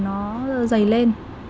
nó dày lên